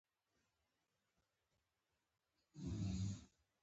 هغه باور نه کولو